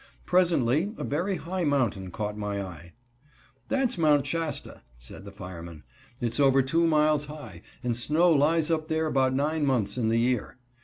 Presently a very high mountain caught my eye. "That's Mt. Shasta," said the fireman. "It's over two miles high, and snow lies up there about nine months in the year.